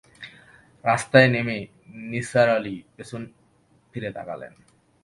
রাস্তায় নেমে নিসার আলি পিছন ফিরে তাকালেন।